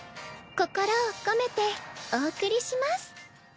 心を込めてお送りします。